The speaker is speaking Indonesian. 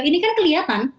ini kan kelihatan